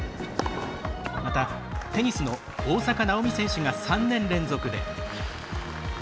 また、テニスの大坂なおみ選手が３年連続で。